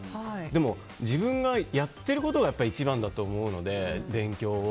でも自分がやってることが一番だと思うので勉強を。